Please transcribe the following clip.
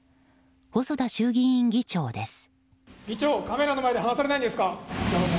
細田衆議院議長です。